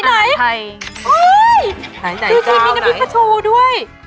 จริงมีนาภิกษาโชว์ด้วย